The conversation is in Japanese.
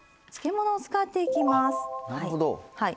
漬物を使っていきます。